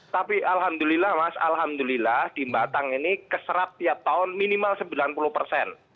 tapi alhamdulillah mas alhamdulillah di batang ini keserap tiap tahun minimal sembilan puluh persen